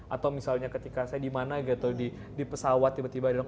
atau misalnya ketika saya di mana gitu di pesawat tiba tiba datang